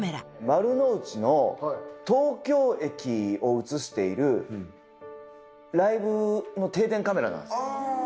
丸の内の東京駅を映しているライブの定点カメラなんです。